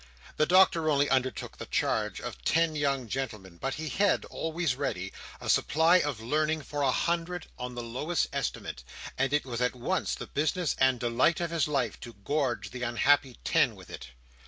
The Doctor only undertook the charge of ten young gentlemen, but he had, always ready, a supply of learning for a hundred, on the lowest estimate; and it was at once the business and delight of his life to gorge the unhappy ten with it.